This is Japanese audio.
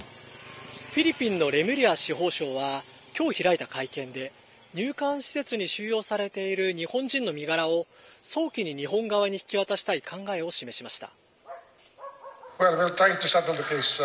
フィリピンのレムリア司法相は、きょう開いた会見で、入管施設に収容されている日本人の身柄を早期に日本側に引き渡したい考えを示しました。